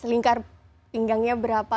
lingkar pinggangnya berapa